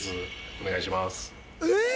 お願いしますええ！？